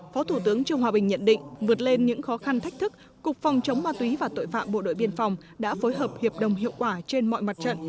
phó thủ tướng trương hòa bình nhận định vượt lên những khó khăn thách thức cục phòng chống ma túy và tội phạm bộ đội biên phòng đã phối hợp hiệp đồng hiệu quả trên mọi mặt trận